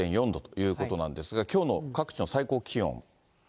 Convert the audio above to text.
４．４度ということなんですが、きょうの各地の最高気温。